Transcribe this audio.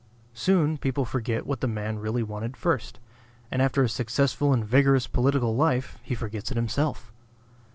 Soon people forget what the man really wanted first; and after a successful and vigorous political life, he forgets it himself.